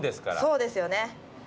そうですよね。